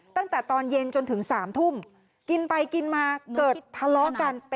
ตั้งแต่ตอนเย็นจนถึง๓ทุ่มกินไปกินมาเกิดทะเลาะกัน